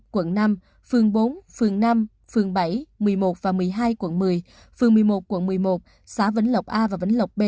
quận năm phường bốn phường năm phường bảy một mươi một và một mươi hai quận một mươi phường một mươi một quận một mươi một xã vĩnh lộc a và vĩnh lộc b